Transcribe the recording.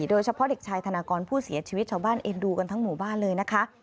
โดยเฉพาะเด็กชายธนากรผู้เสียชีวิตชาวบ้านเอ็นดูกันทั้งหมู่บ้านเลยนะคะ